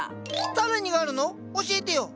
更にがあるの⁉教えてよ！